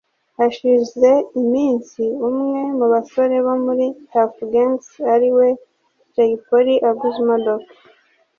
Hashize iminsi umwe mu basore bo muri Tuff Gangs ariwe Jay Polly aguze imodoka